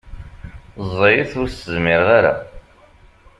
Ẓẓayet ur s-zmireɣ ara.